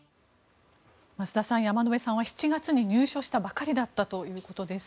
増田さん、山野辺さんは７月に入所したばかりだったということです。